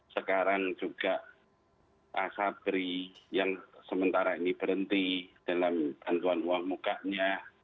sekarang juga asabri yang sementara ini berhenti dalam bantuan uang mukanya